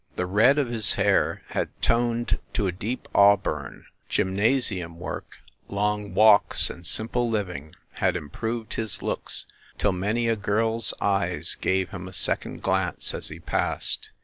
The red of his hair had toned to a deep auburn ; gymnasium work, long walks and simple living had improved his looks till many a girl s eyes gave him a second glance as he passed.